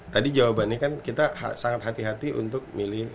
tadi jawabannya kan kita sangat hati hati untuk milih